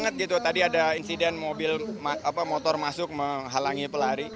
tadi ada insiden motor masuk menghalangi pelari